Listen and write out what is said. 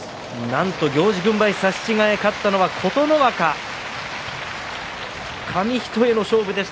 なんと行司軍配差し違えで勝ったのは琴ノ若です。